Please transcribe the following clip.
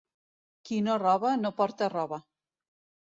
Qui no roba, no porta roba.